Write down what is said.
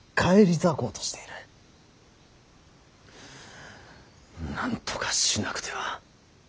なんとかしなくては。